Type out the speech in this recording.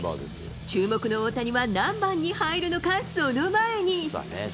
注目の大谷は何番に入るのか、その前に。